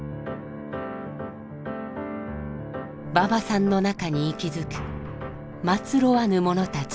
馬場さんの中に息づく「まつろわぬ者たち」